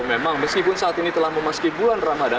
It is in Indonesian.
memang meskipun saat ini telah memasuki bulan ramadan